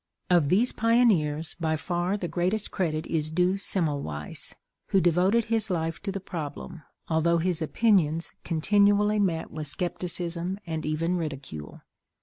Of these pioneers, by far the greatest credit is due Semmelweiss, who devoted his life to the problem, although his opinions continually met with scepticism and even ridicule.